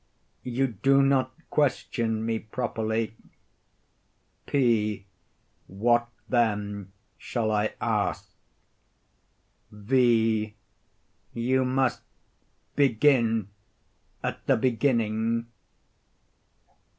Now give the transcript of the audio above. You do not question me properly. P. What then shall I ask? V. You must begin at the beginning.